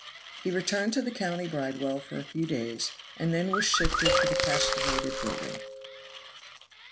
He returned to the county bridewell for a few days, and then was shifted to the castellated building.